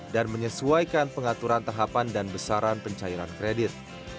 dan menyesuaikan pengaturan tahapan dan besaran pencairan kredit